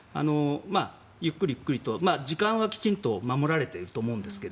ゆっくりゆっくりと時間はきっちりと守られていると思うんですが。